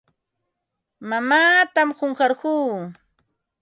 Mamaatam qunqarquu.